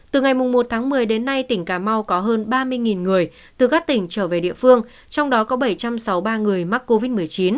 từ ngày một tháng một mươi đến nay tỉnh cà mau có hơn ba mươi người từ các tỉnh trở về địa phương trong đó có bảy trăm sáu mươi ba người mắc covid một mươi chín